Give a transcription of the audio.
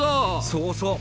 そうそう。